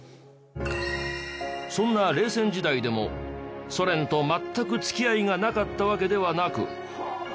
そんな冷戦時代でもソ連と全く付き合いがなかったわけではなく。